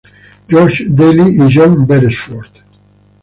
George Daly y John Beresford.